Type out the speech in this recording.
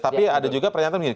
tapi ada juga pernyataan begini